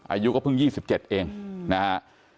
อายุก็เพิ่ง๒๗เองนะฮะ